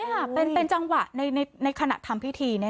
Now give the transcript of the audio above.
นี่ค่ะเป็นจังหวะในขณะทำพิธี